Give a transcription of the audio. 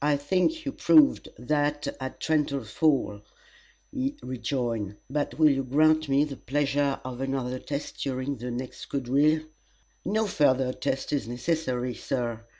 "I think you proved that at Trenton Falls," he rejoined; "but will you grant me the pleasure of another test during the next quadrille?" "No further test is necessary, Sir.